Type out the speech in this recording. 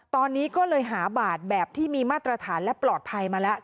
ตอนนี้ก็เลยหาบาทแบบที่มีมาตรฐานและปลอดภัยมาแล้ว